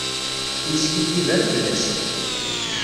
Ur yeskiddib ara fell-as.